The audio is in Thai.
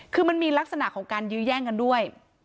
คือมันมีลักษณะของการยื้อแย่งกันด้วย